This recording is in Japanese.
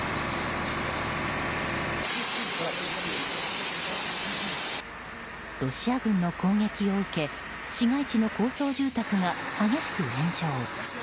ロシア軍の攻撃を受け市街地の高層住宅が激しく炎上。